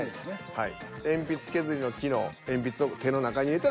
はい。